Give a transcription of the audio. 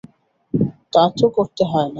তা তো করতে হয় না।